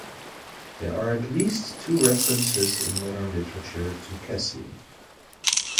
There are at least two references in modern literature to Cassian.